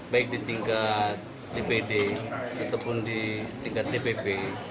baik di tingkat dpd ataupun di tingkat dpp